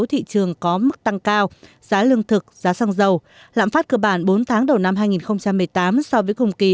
thị trường có mức tăng cao giá lương thực giá xăng dầu lạm phát cơ bản bốn tháng đầu năm hai nghìn một mươi tám so với cùng kỳ